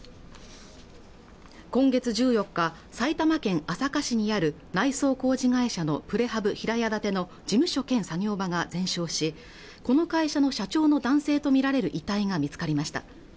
今月１４日埼玉県朝霞市にある内装工事会社のプレハブ平屋建ての事務所兼作業場が全焼しこの会社の社長の男性とみられる遺体が見つかりました